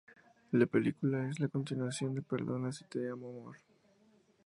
La película es la continuación de "Perdona si te llamo amor".